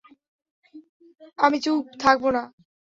আমি চুপ থাকব না।